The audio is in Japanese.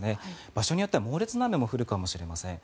場所によっては猛烈な雨が降るかもしれません。